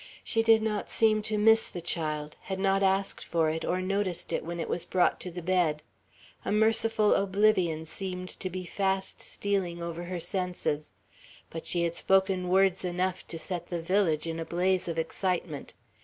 She did not seem to miss the child; had not asked for it, or noticed it when it was brought to the bed. A merciful oblivion seemed to be fast stealing over her senses. But she had spoken words enough to set the village in a blaze of excitement.